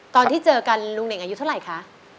ตอนที่เจอกันลุงเน่งอายุเท่าไหร่คะ